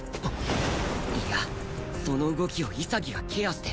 いやその動きを潔がケアしてる